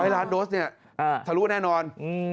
๐ล้านโดสเนี่ยทะลุแน่นอน